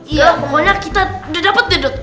ya pokoknya kita udah dapet ya dot